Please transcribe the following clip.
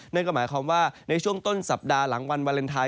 นั่นก็หมายความว่าในช่วงต้นสัปดาห์หลังวันวาเลนไทย